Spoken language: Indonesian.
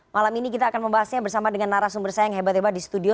malam ini kita akan membahasnya bersama dengan narasumber saya yang hebat hebat di studio